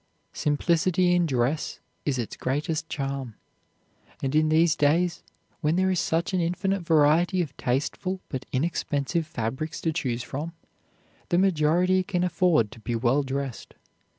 Simplicity in dress is its greatest charm, and in these days, when there is such an infinite variety of tasteful but inexpensive fabrics to choose from, the majority can afford to be well dressed.